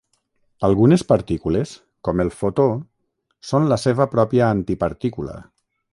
Algunes partícules, com el fotó, són la seva pròpia antipartícula.